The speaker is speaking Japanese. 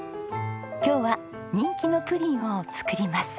今日は人気のプリンを作ります。